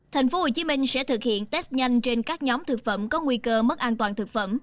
tp hcm sẽ thực hiện test nhanh trên các nhóm thực phẩm có nguy cơ mất an toàn thực phẩm